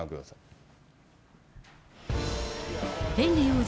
ヘンリー王子